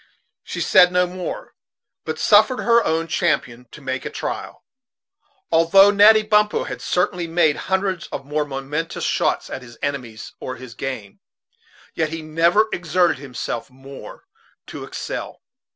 She said no more, but suffered her own champion to make a trial. Although Natty Bumppo had certainly made hundreds of more momentous shots at his enemies or his game, yet he never exerted himself more to excel.